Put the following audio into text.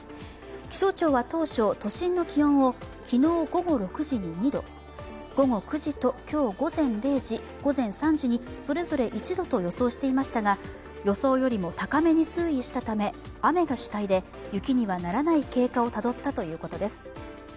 気象庁は当初、都心の気温を昨日午後６時に２度、午後９時と今日午前０時午前３時にそれぞれ１度と予想していましたが予想よりも高めに推移したため、雨が主体で、雪にはならない経過をたどったということです。